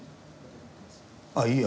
あっいいや。